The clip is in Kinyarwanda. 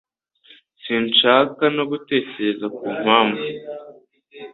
Sinshaka no gutekereza ku mpamvu.